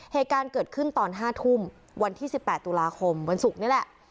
เหตุการณ์เกิดขึ้นตอน๕ทุ่มวันที่๑๘ตุลาคมวันศุกร์นี่แหละ